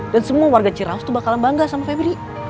dan semua warga ciraus tuh bakal bangga sama febri